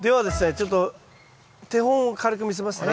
ちょっと手本を軽く見せますね。